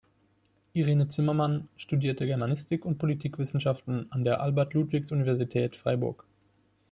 Irene Zimmermann studierte Germanistik und Politikwissenschaften an der Albert-Ludwigs-Universität Freiburg.